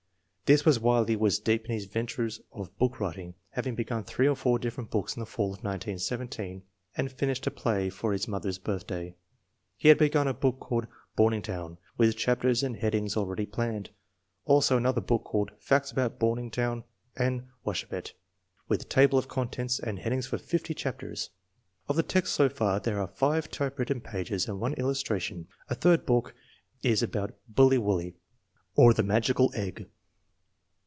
This was while he was deep in his ventures of book writing, having be gun three or four different books in the fall of 1917 and finished a play for his mother's birthday. He has begun a book called Bomingtown, with chapters and headings already planned; also another book called Facts about Bomingtown and Washabett, with table of contents and headings for fifty chapters ! Of the text so far there are five typewritten pages and one illus tration. A third book is about Bully Wu&y, or the Magical Egg.